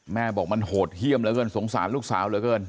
แม่บอกมันโหดเยี่ยมเหลือเกินสงสารลูกสาวเหลือเกิน